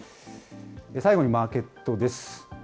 最後にマーケットです。